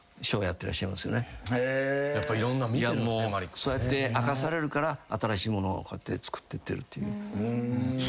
そうやって明かされるから新しいものを作って出るっていう。